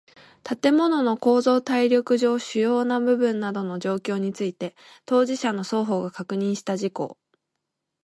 建物の構造耐力上主要な部分等の状況について当事者の双方が確認した事項